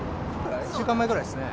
１週間前ぐらいですね。